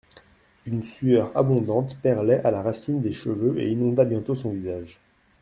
Une sueur abondante perlait à la racine des cheveux et inonda bientôt son visage.